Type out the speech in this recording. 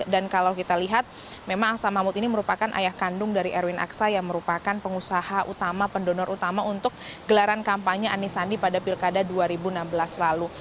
dan kalau kita lihat memang aksa mahmud ini merupakan ayah kandung dari erwin aksa yang merupakan pengusaha utama pendonor utama untuk gelaran kampanye anies sandi pada pilkada dua ribu enam belas lalu